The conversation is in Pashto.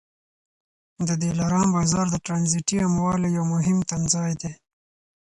د دلارام بازار د ټرانزیټي اموالو یو مهم تمځای دی.